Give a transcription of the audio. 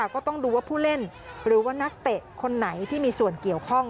ก็ต้องดูว่าผู้เล่นหรือว่านักเตะคนไหนที่มีส่วนเกี่ยวข้อง